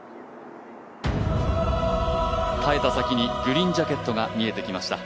耐えた先にグリーンジャケットが見えてきました。